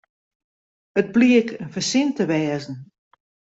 It bliek in fersin te wêzen.